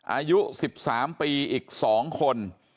อายุ๑๓ปีอีก๒คน